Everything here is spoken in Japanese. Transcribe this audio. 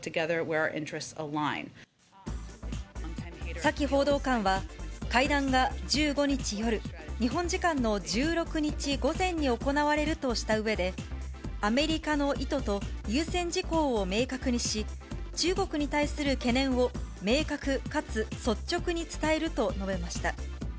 サキ報道官は、会談が１５日夜、日本時間の１６日午前に行われるとしたうえで、アメリカの意図と優先事項を明確にし、中国に対する懸念を、明確かつ率直に伝えると述べました。